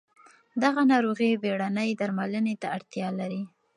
دغه ناروغي بېړنۍ درملنې ته اړتیا لري.